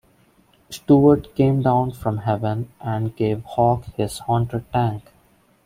Stuart came down from Heaven and gave Hawk his Haunted Tank.